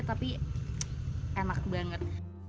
tapi enak banget